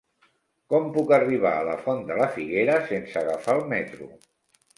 Com puc arribar a la Font de la Figuera sense agafar el metro?